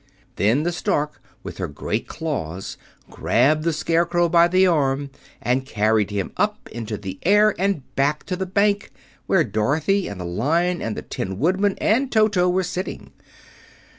Then the Stork with her great claws grabbed the Scarecrow by the arm and carried him up into the air and back to the bank, where Dorothy and the Lion and the Tin Woodman and Toto were sitting.